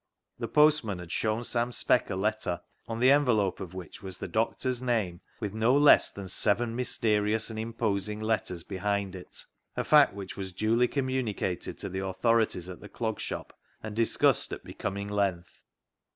The postman had shown Sam Speck a letter, on the envelope of which was the doctor's name with no less than seven mysterious and imposing letters behind it — a fact which was duly communicated to the authorities at the Clog Shop, and discussed at becoming length.